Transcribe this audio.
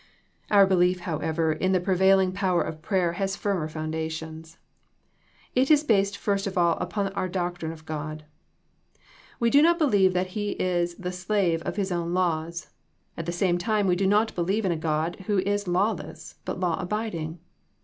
Our belief, however, in the prevailing power of prayer has firmer foundations. It is based first of all upon our doctrine of God. We do not be lieve that He is the slave of His own laws. At the same time we do not believe in a God who is lawless, but law abiding.